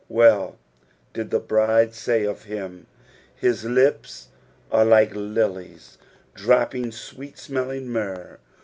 Well did the bride say of him, " his lips are like lilies dropping sweet smelling myrrh."